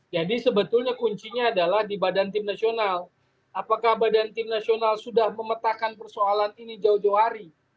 jadi sebetulnya kuncinya adalah di badan tim nasional apakah badan tim nasional sudah memetakkan persoalan ini jauh jauh hari